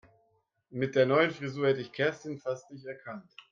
Mit der neuen Frisur hätte ich Kerstin fast nicht erkannt.